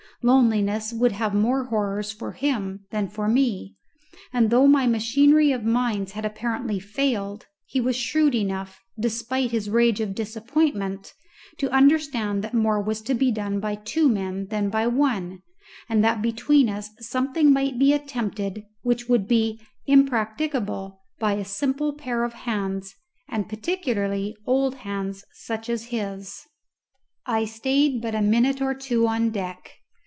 Loneliness would have more horrors for him than for me; and though my machinery of mines had apparently failed, he was shrewd enough, despite his rage of disappointment, to understand that more was to be done by two men than by one, and that between us something might be attempted which would be impracticable by a simple pair of hands, and particularly old hands, such as his. I stayed but a minute or two on deck.